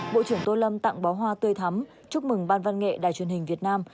bộ trưởng tô lâm tặng bó hoa tươi thắm chúc mừng ban văn nghệ đài truyền hình việt nam